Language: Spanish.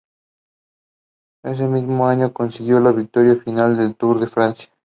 Ese mismo año consiguió la victoria final en el Tour de Francia.